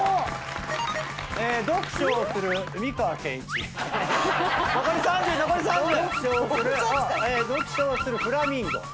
読書をするフラミンゴ。